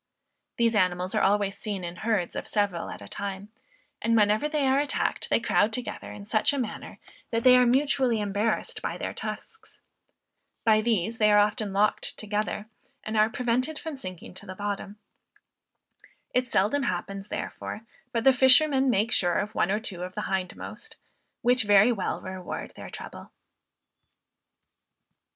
These animals are always seen in herds of several at a time; and whenever they are attacked they crowd together in such a manner, that they are mutually embarrassed by their tusks. By these they are often locked together, and are prevented from sinking to the bottom. It seldom happens, therefore, but the fishermen make sure of one or two of the hindmost, which very well reward their trouble.